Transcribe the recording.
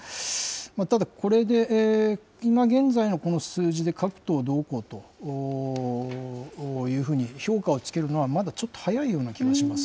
ただ、これで今現在のこの数字で各党どうこうというふうに評価をつけるのは、まだちょっと早いような気がします。